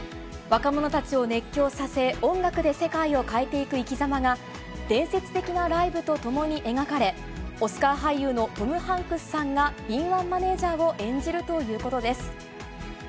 若者たちを熱狂させ、音楽で世界を変えていく生き様が、伝説的なライブとともに描かれ、オスカー俳優のトム・ハンクスさんが、敏腕マネージャーを演じるということです。